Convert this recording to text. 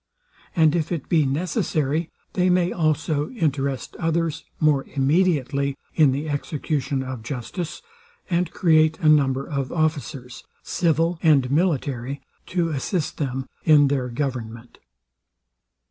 And if it be necessary, they may also interest others more immediately in the execution of justice, and create a number of officers, civil and military, to assist them in their government.